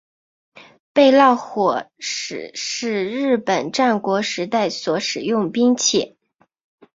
焙烙火矢是日本战国时代所使用兵器。